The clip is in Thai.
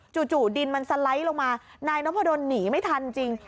จู่ดินมันสไลด์ลงมานายนพดลหนีไม่ทันจริง